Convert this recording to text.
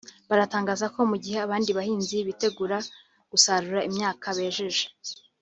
baratangaza ko mu gihe abandi bahinzi bitegura gusarura imyaka bejeje